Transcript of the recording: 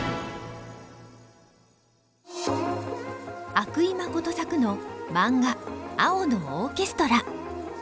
阿久井真作のマンガ「青のオーケストラ」。